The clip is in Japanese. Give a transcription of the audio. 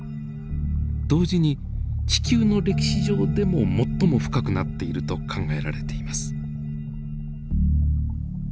同時に地球の歴史上でも最も深くなっていると考えられています。